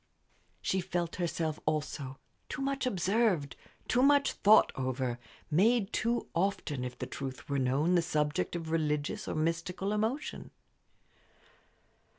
She felt herself, also, too much observed, too much thought over, made too often, if the truth were known, the subject of religious or mystical emotion.